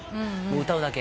歌うだけ。